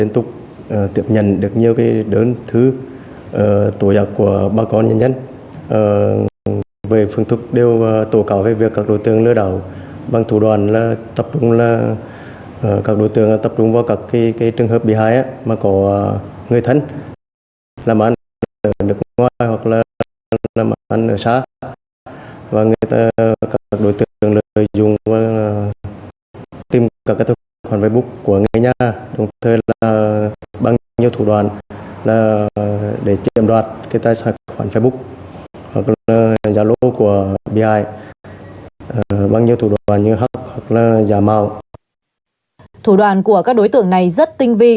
thủ đoàn của các đối tượng này rất tinh vi